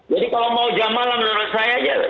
jadi kalau mau jam malam menurut saya ya